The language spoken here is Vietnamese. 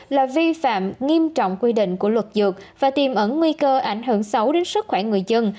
là vi phạm nghiêm trọng quy định của luật dược và tìm ẩn nguy cơ ảnh hưởng xấu đến sức khỏe người dân